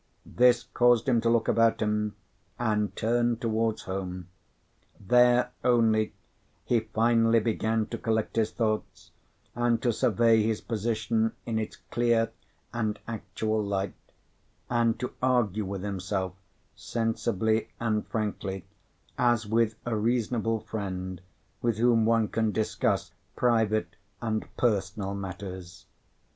This caused him to look about him, and turn towards home. There only, he finally began to collect his thoughts, and to survey his position in its clear and actual light, and to argue with himself, sensibly and frankly, as with a reasonable friend with whom one can discuss private and personal matters.